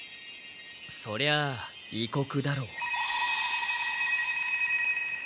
そりゃ異国だろう。